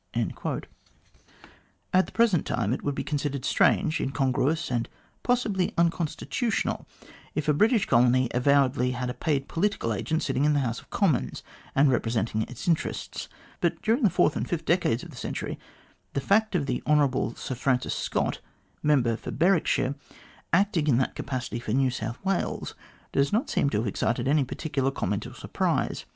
At the present time it would be considered strange, incongruous, and possibly unconstitutional if a British colony avowedly had a paid political agent sitting in the House of Commons and representing its interests, but during the fourth and fifth decades of the century, the fact of the Hon. Francis Scott, Member for Berwickshire, acting in that capacity for New South Wales, does not seem to have excited any particular comment or surprise.